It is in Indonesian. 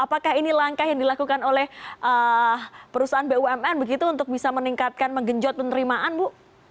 apakah ini langkah yang dilakukan oleh perusahaan bumn begitu untuk bisa meningkatkan menggenjot penerimaan bu